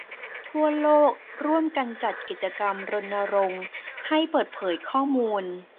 ทั่วโลกร่วมกันจัดกิจกรรมรณรงค์ให้เปิดเผยข้อมูล